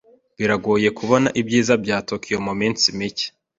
Biragoye kubona ibyiza bya Tokiyo muminsi mike.